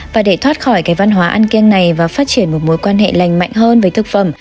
và để thoát khỏi cái văn hóa ăn kiêng này và phát triển một mối quan hệ lành mạnh hơn với thực phẩm